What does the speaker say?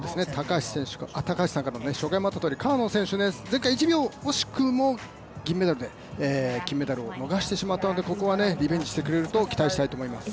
高橋さんから所見もあったように、川野選手前回１秒、惜しくも銀メダルで金メダルを逃してしまったのでここはリベンジしてくれると期待しています。